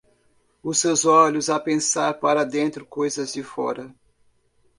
os seus olhos a pensar para dentro coisas de fora